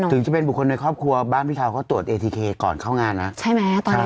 ถึงจะเป็นบุคคลในครอบครัวบ้านพี่ชาวเขาตรวจเอทีเคก่อนเข้างานแล้วใช่ไหมตอนนั้น